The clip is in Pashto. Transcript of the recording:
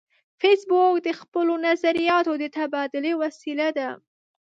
فېسبوک د خپلو نظریاتو د تبادلې وسیله ده